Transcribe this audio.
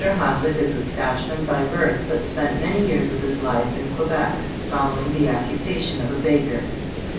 HOSSACK is a Scotchman by birth, but spent many years of his life in Quebec, following the occupation of a baker.